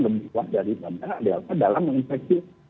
dibuat dari delta dalam menginfeksi